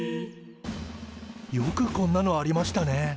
よくこんなのありましたね。